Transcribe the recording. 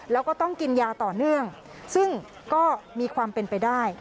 แล้วก็ต้องกินยาต่อเนื่องซึ่งก็มีความเป็นไปได้